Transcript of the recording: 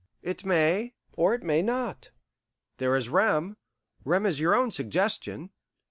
"It may, or it may not there is Rem Rem is your own suggestion.